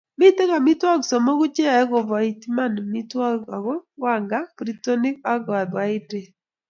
mito amitwogik somoku che yoe koboit iman amitwogik aku; wanga, protinik ak kaboaidret